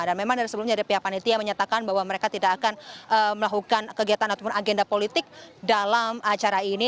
dan memang dari sebelumnya ada pihak panitia yang menyatakan bahwa mereka tidak akan melakukan kegiatan ataupun agenda politik dalam acara ini